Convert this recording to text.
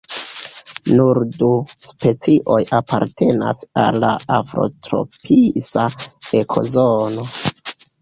Nur du specioj apartenas al la afrotropisa ekozono.